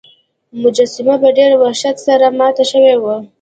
مجسمه په ډیر وحشت سره ماته شوې وه.